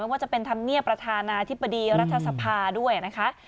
ว่าจะเป็นธรรมเนียบประธานาธิบดีรัฐสภาด้วยนะคะ